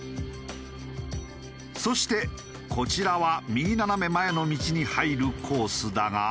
そしてこちらは右斜め前の道に入るコースだが。